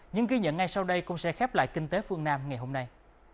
những ghi nhận ngay sau đây cũng sẽ khép lại kinh tế phương nam ngày hôm nay